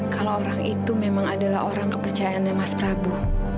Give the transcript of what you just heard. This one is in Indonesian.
kalau orang itu memang adalah orang kepercayaannya mas prabu